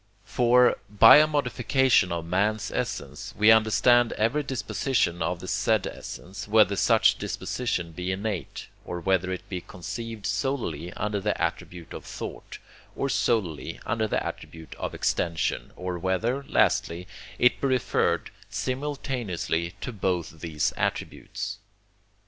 For, by a modification of man's essence, we understand every disposition of the said essence, whether such disposition be innate, or whether it be conceived solely under the attribute of thought, or solely under the attribute of extension, or whether, lastly, it be referred simultaneously to both these attributes.